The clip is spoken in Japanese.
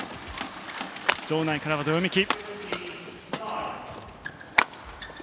場内からはどよめき。